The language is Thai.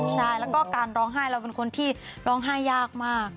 ใช่แล้วก็การร้องไห้เราเป็นคนที่ร้องไห้ยากมาก